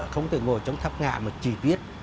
không thể ngồi trong tháp ngạ mà chỉ viết